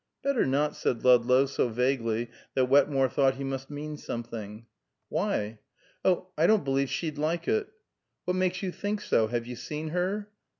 "Better not," said Ludlow so vaguely that Wetmore thought he must mean something. "Why?" "Oh I don't believe she'd like it." "What makes you think so? Have you seen her?"